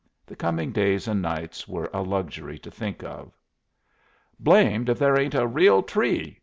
The coming days and nights were a luxury to think of. "Blamed if there ain't a real tree!"